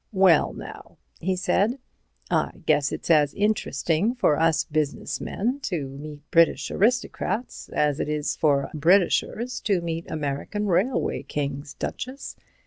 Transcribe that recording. "Well, now," he said, "I guess it's as interesting for us business men to meet British aristocrats as it is for Britishers to meet American railway kings, Duchess.